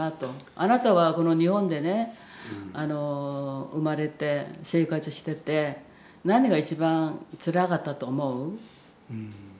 あなたはこの日本でね生まれて生活してて何が一番つらかったと思う？